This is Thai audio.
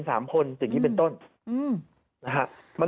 อย่างนี้เป็นต้นนะฮะ